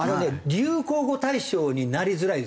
流行語大賞になりづらいですよね。